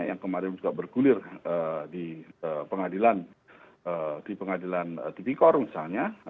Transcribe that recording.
yang kemarin juga bergulir di pengadilan di pengadilan tipikor misalnya